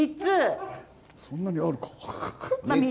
そんなにあるかな？